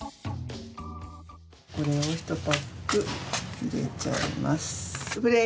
これを１パック入れちゃいます。